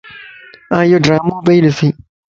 آن ايوڊرامو پيئي ڏسين